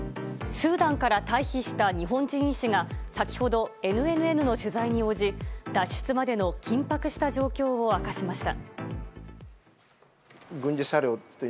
スーダンから退避した日本人医師が先ほど、ＮＮＮの取材に応じ脱出までの緊迫した状況を明かしました。